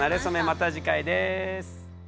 また次回です。